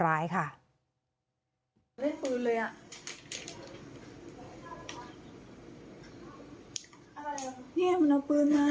ร้ายค่ะเล่นปืนเลยอ่ะ